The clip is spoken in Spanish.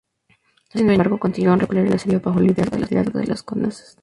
Los habitantes, sin embargo, consiguieron repeler el asedio bajo el liderazgo de las canonesas.